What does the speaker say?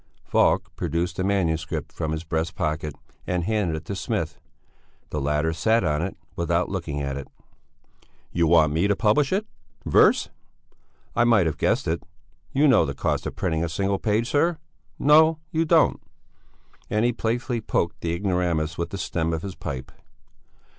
Falk produced a manuscript from his breast pocket and handed it to Smith; the latter sat on it without looking at it. "You want me to publish it? Verse? I might have guessed it! Do you know the cost of printing a single page, sir? No, you don't." And he playfully poked the ignoramus with the stem of his pipe.